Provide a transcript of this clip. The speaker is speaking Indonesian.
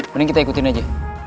mending kita ikutin aja